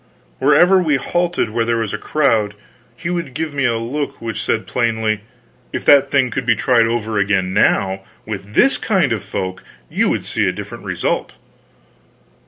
Wherever we halted where there was a crowd, he would give me a look which said plainly: "if that thing could be tried over again now, with this kind of folk, you would see a different result."